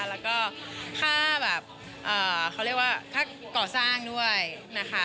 แล้วก็ค่าเกาะสร้างด้วยนะคะ